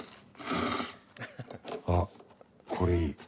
あっ、これいい。